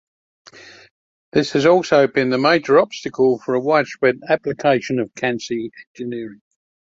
This has also been the major obstacle for a widespread application of Kansei engineering.